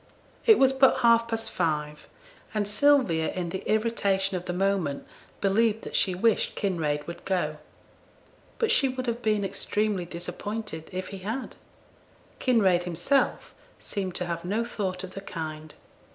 It was but half past five, and Sylvia in the irritation of the moment believed that she wished Kinraid would go. But she would have been extremely disappointed if he had. Kinraid himself seemed to have no thought of the kind.